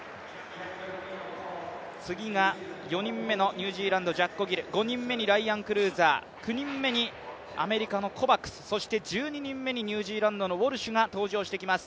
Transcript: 次が４人目のニュージーランドのジャッコ・ギル５人目のライアン・クルーザー９人目にアメリカのコバクス、そして１２人目にニュージーランドのウォルシュが登場してきます。